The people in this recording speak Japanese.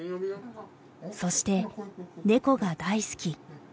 そして猫が大好き。